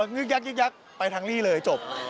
นึกยักษ์ไปทั้งลี่เลยจบ